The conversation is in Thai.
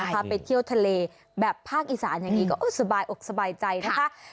พาไปเที่ยวทะเลแบบภาคอีสานอย่างนี้ก็สบายอกสบายใจนะคะ